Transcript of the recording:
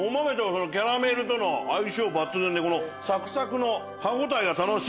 キャラメルとの相性抜群でサクサクの歯応えが楽しい。